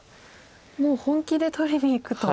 もう本気で取りにいくと。